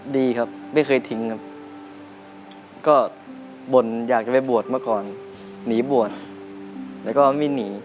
ดีครับไม่เคยทิ้งครับก็บ่นอยากจะไปบวชมาก่อนหนีบวชแล้วก็ไม่หนี